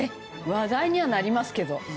話題にはなりますけど。